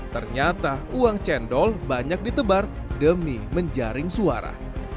ternyata uang cendol banyak ditebar demi menjaring suara